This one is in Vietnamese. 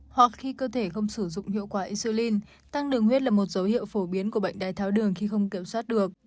hoặc khi cơ thể không sử dụng hiệu quả essolin tăng đường huyết là một dấu hiệu phổ biến của bệnh đai tháo đường khi không kiểm soát được